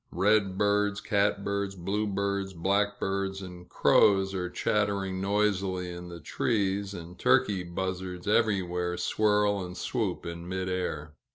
Redbirds, catbirds, bluebirds, blackbirds, and crows are chattering noisily in the trees, and turkey buzzards everywhere swirl and swoop in mid air.